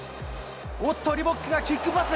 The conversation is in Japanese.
おっと、リボックがキックパス。